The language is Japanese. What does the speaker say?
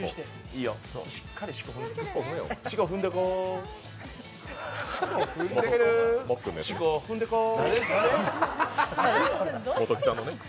しこ、踏んでこー。